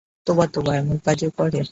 তােবা, তােবা, এমন কাজও করে!